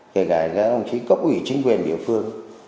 kể cả các đồng chí cấp ủy chính quyền địa phương